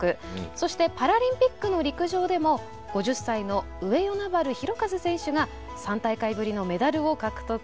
そしてパラリンピックの陸上でも５０歳の上与那原寛和選手が３大会ぶりのメダルを獲得。